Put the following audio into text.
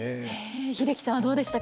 英樹さんはどうでしたか？